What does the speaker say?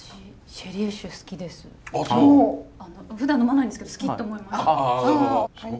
ふだん呑まないんですけど好きって思いました。